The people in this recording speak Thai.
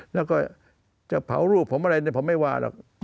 แล้วก็จะเผารูปผมอะไรผมไม่ว่าหรอก